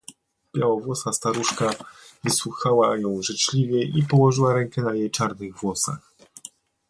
"Białowłosa staruszka wysłuchała ją życzliwie i położyła rękę na jej czarnych włosach."